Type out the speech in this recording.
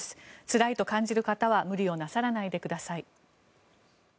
つらいと感じる方は無理をなさらないでください。